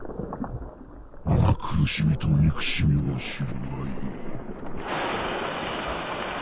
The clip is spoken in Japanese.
わが苦しみと憎しみを知るがいい。